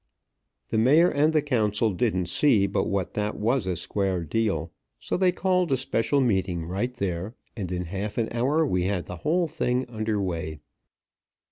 The mayor and the council didn't see but what that was a square deal, so they called a special meeting right there; and in half an hour we had the whole thing under way.